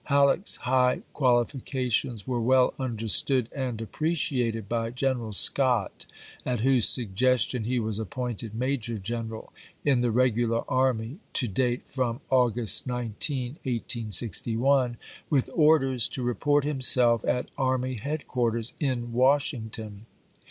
Halleck's high qualifications were well understood and appreciated by General Scott, at whose suggestion he was appointed major general in the regular army, to date from August 19, 1861, with orders to report himself at army headquarters in Washington.